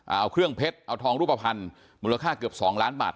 เอาเครื่องเพชรเอาทองรูปภัณฑ์มูลค่าเกือบสองล้านบาท